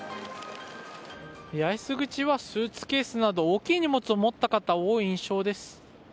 八重洲口はスーツケースなど大きい荷物を持った方が多い印象です。